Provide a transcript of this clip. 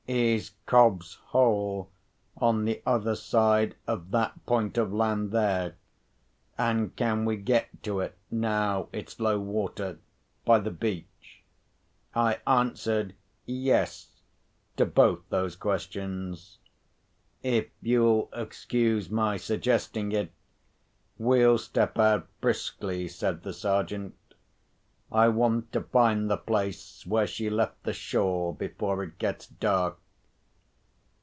Is Cobb's Hole on the other side of that point of land there? And can we get to it—now it's low water—by the beach?" I answered, "Yes," to both those questions. "If you'll excuse my suggesting it, we'll step out briskly," said the Sergeant. "I want to find the place where she left the shore, before it gets dark."